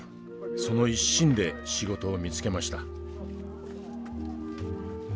その一心で仕事を見つけました。